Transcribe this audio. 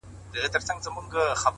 • او چي سېل سي د پیل زور نه په رسیږي ,